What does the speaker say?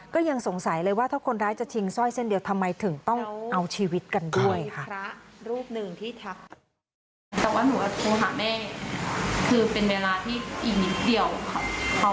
ก็ยังสงสัยเลยว่าถ้าคนร้ายจะชิงสร้อยเส้นเดียวทำไมถึงต้องเอาชีวิตกันด้วยค่ะ